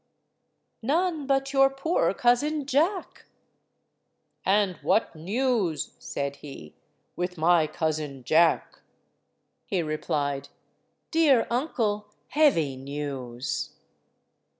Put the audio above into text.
"None, but your poor cousin Jack." "And what news," said he, "with my cousin Jack?" He replied— "Dear uncle, heavy news."